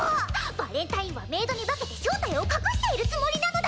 バレンタインはメイドに化けて正体を隠しているつもりなのだ！